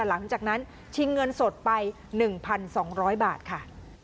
หลังจากนั้นชิงเงินสดไป๑๒๐๐บาทค่ะ